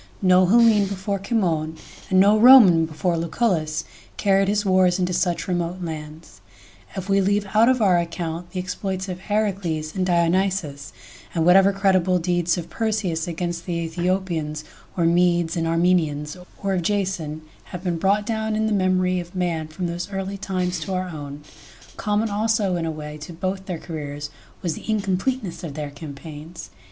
No Hellene before Cimon and no Roman before Lucullus carried his wars into such remote lands, if we leave out of our account the exploits of Heracles and Dionysus, and whatever credible deeds of Perseus against the Aethiopians or Medes and Armenians, or of Jason, have been brought down in the memory of man from those early times to our own. ..Common also in a way to both their careers was the incompleteness of their campaigns.